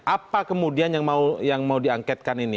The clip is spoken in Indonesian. apa kemudian yang mau diangketkan ini